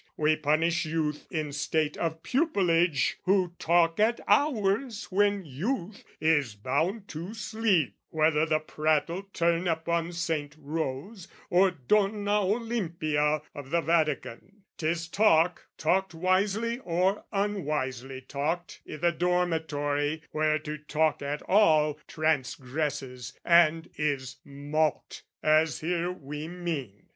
"We punish youth in state of pupilage "Who talk at hours when youth is bound to sleep, "Whether the prattle turn upon Saint Rose "Or Donna Olimpia of the Vatican: "'Tis talk, talked wisely or unwisely talked, "I' the dormitory where to talk at all, "Transgresses, and is mulct: as here we mean.